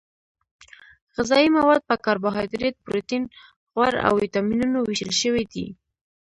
غذايي مواد په کاربوهایدریت پروټین غوړ او ویټامینونو ویشل شوي دي